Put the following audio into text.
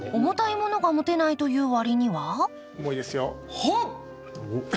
重たいものが持てないと言うわりには重いですよ。